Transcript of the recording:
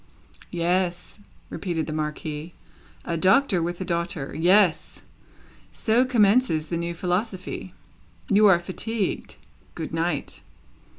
"Yes," repeated the Marquis. "A Doctor with a daughter. Yes. So commences the new philosophy! You are fatigued. Good night!"